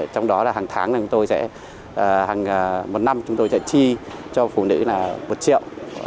trong đó là hàng tháng là chúng tôi sẽ hàng một năm chúng tôi sẽ chi cho phụ nữ là một triệu